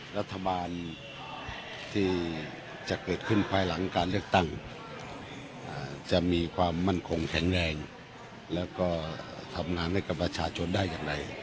รัฐบาลที่จะเกิดขึ้นภายหลังการเลือกตั้งจะมีความมั่นคงแข็งแรงแล้วก็ทำงานให้กับประชาชนได้อย่างไร